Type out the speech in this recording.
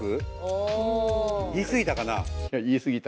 言い過ぎたかな？